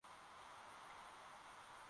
likiongozwa na abubakar shakau